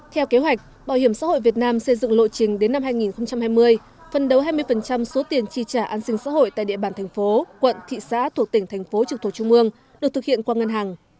theo kế hoạch bảo hiểm xã hội việt nam xây dựng lộ trình đến năm hai nghìn hai mươi phân đấu hai mươi số tiền chi trả an sinh xã hội tại địa bàn thành phố quận thị xã thuộc tỉnh thành phố trực thuộc trung ương được thực hiện qua ngân hàng